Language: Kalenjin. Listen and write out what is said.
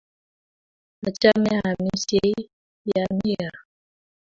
Achame aamisyei ye ami kaa